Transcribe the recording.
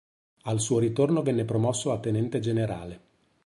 Al suo ritorno venne promosso a tenente generale.